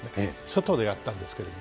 外でやったんですけど。